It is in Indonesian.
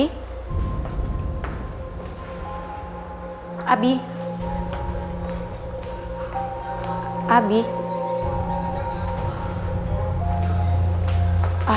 kalau mama gak akan mencari